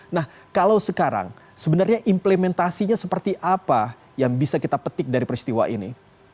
nah kalau sekarang sebenarnya implementasinya seperti apa yang bisa kita petik dari peristiwa ini